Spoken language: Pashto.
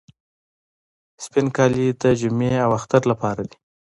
سپین کالي د جمعې او اختر لپاره دي.